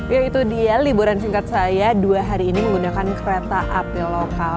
ya itu dia liburan singkat saya dua hari ini menggunakan kereta api lokal